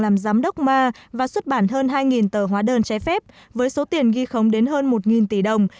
làm giám đốc ma và xuất bản hơn hai tờ hóa đơn trái phép với số tiền ghi khống đến hơn một tỷ đồng